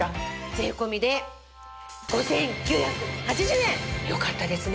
税込で５９８０円！よかったですね